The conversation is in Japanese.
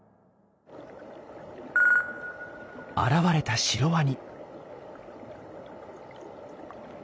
現れたシロワニ。